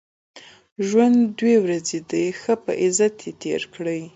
ژوند دوې ورځي دئ؛ ښه په عزت ئې تېر کئ!